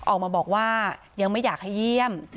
ออกมาบอกว่ายังไม่อยากให้เยี่ยม